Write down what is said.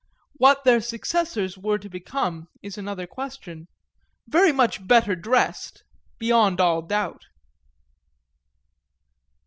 What their successors were to become is another question; very much better dressed, beyond all doubt.